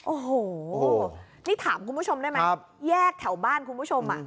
โอ้โหนี่ถามคุณผู้ชมได้ไหมแยกแถวบ้านคุณผู้ชม